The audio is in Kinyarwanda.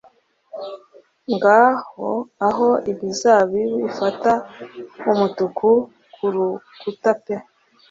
Ngaho aho imizabibu ifata umutuku ku rukuta pe